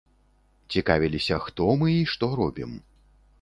Цікавіліся, хто мы і што робім.